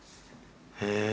へえ！